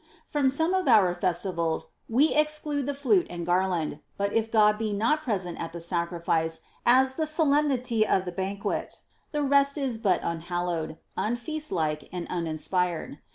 From some of our festivals we exclude the flute and garland ; but if God be not present at the sacrifice, as the solemnity of the banquet, the rest is but unhallowed, unfeast like, and uninspired.